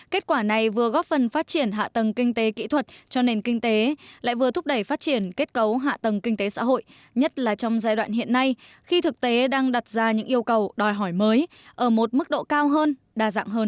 kết quả này vừa góp phần phát triển hạ tầng kinh tế kỹ thuật cho nền kinh tế lại vừa thúc đẩy phát triển kết cấu hạ tầng kinh tế xã hội nhất là trong giai đoạn hiện nay khi thực tế đang đặt ra những yêu cầu đòi hỏi mới ở một mức độ cao hơn đa dạng hơn